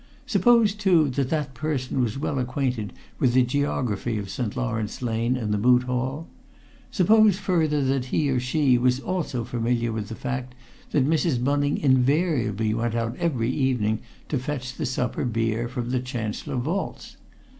Suppose, too, that that person was well acquainted with the geography of St. Lawrence Lane and the Moot Hall? Suppose further that he or she was also familiar with the fact that Mrs. Bunning invariably went out every evening to fetch the supper beer from the Chancellor Vaults?